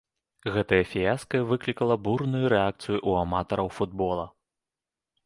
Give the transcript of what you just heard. Гэтае фіяска выклікала бурную рэакцыю ў аматараў футбола.